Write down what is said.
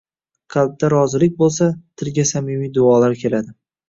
Qalbda rozilik bo‘lsa, tilga samimiy duolar keladi.